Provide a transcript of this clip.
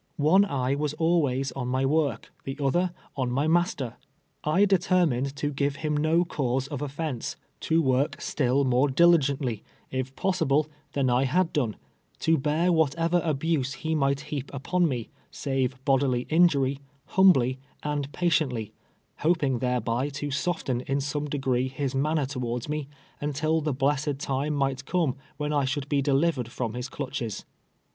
One eye was on my work, the other on my master. I determined to give him no cause of offence, to work still more diligently, 132 TWELVE YEARS A SLATE. if pnssiLlo, tliaii I had done, to bear wliatever abuse }ie iiii^ ]it bi aj) ii}m»u lue, save bodily injury, liumblj and patiently, lioj)ing tlierel)y to soften in some de gree his manner towards nie, nntil the blessed time mi^^'ht Come "svhen I shouhl be delivered from his clutches.